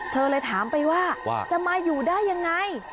เธอเลยถามไปว่าจะมาอยู่ได้ยังไง